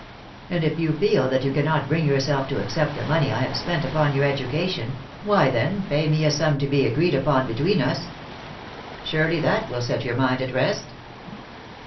And if you feel that you cannot bring yourself to accept the money I have spent upon your education, why, then, pay me a sum to be agreed upon between us. Surely that will set your mind at rest."